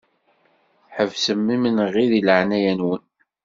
Ḥebsem imenɣi di leɛnaya-nwen.